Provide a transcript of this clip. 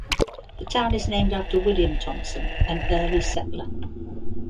The town is named after William Thompson, an early settler.